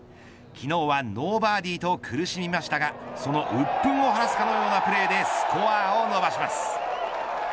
昨日はノーバーディーと苦しみましたがその鬱憤を晴らすようなプレーでスコアを伸ばします。